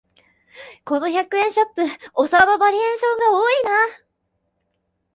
この百円ショップ、お皿のバリエーションが多いな